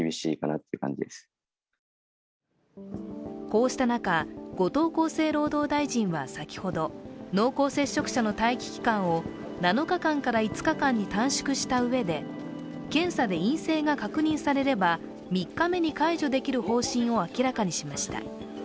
こうした中、後藤厚生労働大臣は先ほど濃厚接触者の待機期間を７日間から５日間に短縮したうえで検査で陰性が確認されれば３日目に解除できる方針を明らかにしました。